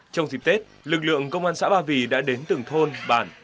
trong dịp tết lực lượng công an xã ba vì đã đến từng thôn bản